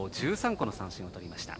１３個の三振をとりました。